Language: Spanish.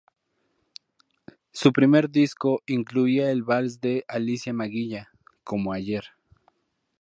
Su primer disco incluía el vals de Alicia Maguiña""Como Ayer"".